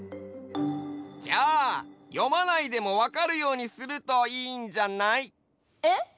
じゃあ読まないでもわかるようにするといいんじゃない？えっ？